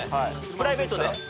プライベートで。